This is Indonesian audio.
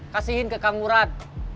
kasihin ke kang murad